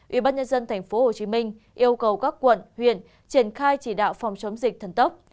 ủy ban nhân dân tp hcm yêu cầu các quận huyện triển khai chỉ đạo phòng chống dịch thần tốc